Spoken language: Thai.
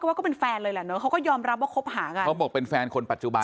ว่าก็เป็นแฟนเลยแหละเนอะเขาก็ยอมรับว่าคบหากันเขาบอกเป็นแฟนคนปัจจุบัน